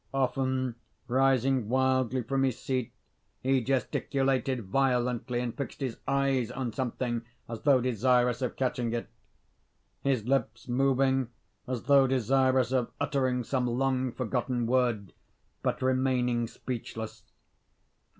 Often, rising wildly from his seat, he gesticulated violently and fixed his eyes on something as though desirous of catching it: his lips moving as though desirous of uttering some long forgotten word, but remaining speechless.